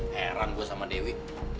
heran gue sama dewi